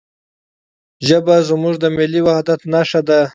ژبه زموږ د ملي وحدت نښه ده.